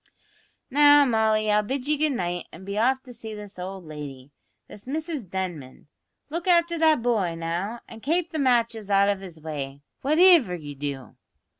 "Now, Molly, I'll bid ye good night an' be off to see this owld lady, this Mrs Denman. Look afther that boy, now, an kape the matches out of his way, whativer ye do."